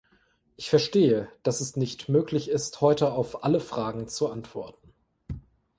Ich verstehe, dass es nicht möglich ist, heute auf alle Fragen zu antworten.